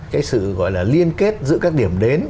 cái sự gọi là liên kết giữa các điểm đến